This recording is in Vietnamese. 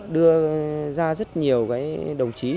đưa ra rất nhiều đồng chí